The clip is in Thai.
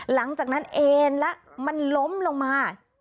หลังจากนั้นเอ็นแล้วมันล้มลงมา